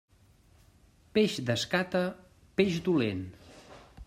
Peix d'escata, peix dolent.